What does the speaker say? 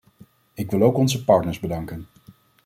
Ik wil ook onze partners bedanken.